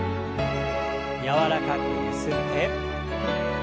柔らかくゆすって。